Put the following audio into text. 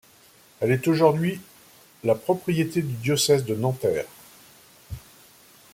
Elle est aujourd'hui la propriété du Diocèse de Nanterre.